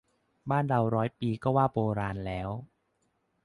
บ้านเราร้อยปีก็ว่าโบราณแล้ว